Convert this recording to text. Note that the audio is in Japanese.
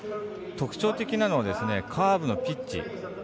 特徴的なのはカーブのピッチ。